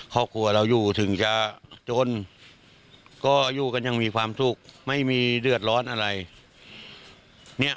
ครอบครัวเราอยู่ถึงจะจนก็อยู่กันยังมีความสุขไม่มีเดือดร้อนอะไร